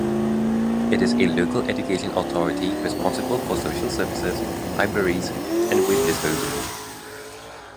It is a local education authority responsible for social services, libraries and waste disposal.